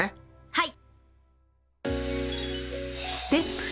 はい。